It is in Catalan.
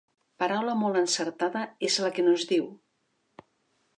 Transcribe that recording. Paraula molt encertada és la que no es diu.